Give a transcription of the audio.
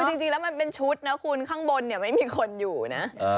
จริงแล้วมันเป็นชุดนะคุณข้างบนเนี่ยไม่มีคนอยู่นะ